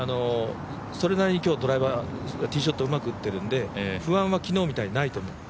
それなりに今日ドライバーティーショットうまく打ってるんで不安は昨日みたいにないと思う。